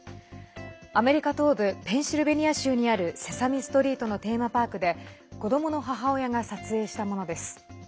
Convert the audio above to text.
アメリカ東部ペンシルベニア州にある「セサミストリート」のテーマパークで子どもの母親が撮影したものです。